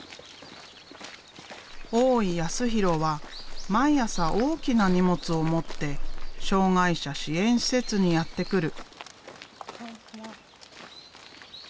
大井康弘は毎朝大きな荷物を持って障害者支援施設にやって来る。